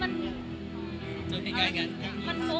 ถ้ามันไม่เกิดสร้างกายกลุ่มชีวิตอย่างนี้